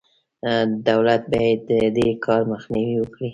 دولت باید د دې کار مخنیوی وکړي.